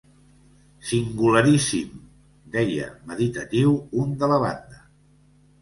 -Singularíssim!…- deia, meditatiu, un de la banda.